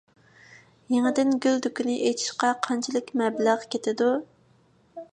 يېڭىدىن گۈل دۇكىنى ئېچىشقا قانچىلىك مەبلەغ كېتىدۇ؟